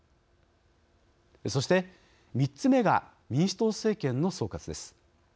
そして３つ目が民主党政権の総括です。